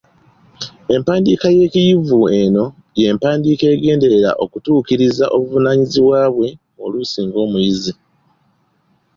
Empandiika y’ekiyivu eno y’empandiika egenderera okutuukiriza obuvunaanyiziba bwe oluusi ng’omuyizi.